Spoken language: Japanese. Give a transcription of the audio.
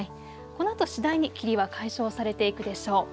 このあと次第に霧は解消されていくでしょう。